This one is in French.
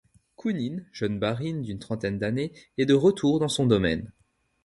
Kounine, jeune barine d’une trentaine d’année, est de retour dans son domaine.